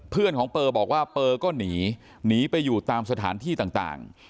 เพื่อนของเปอร์บอกว่าเปอร์ก็หนีหนีไปอยู่ตามสถานที่ต่าง